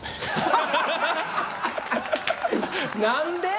何で！？